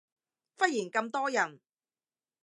忽然咁多人